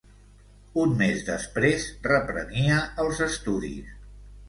Un més després reprenia els estudis.